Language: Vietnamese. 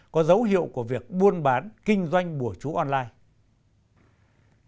có dấu hiệu của việc buôn bán kinh doanh bùa chú online